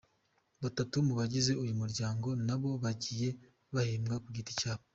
Batatu mu bagize uyu muryango nabo bagiye bahembwa ku giti cyabo.